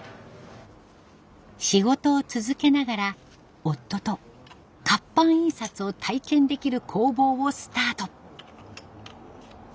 仕事を続けながら夫と活版印刷を体験できる工房をスタート。